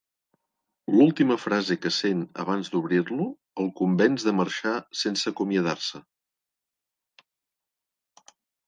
L'última frase que sent abans d'obrirlo el convenç de marxar sense acomiadar-se.